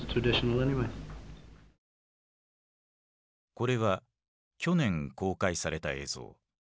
これは去年公開された映像。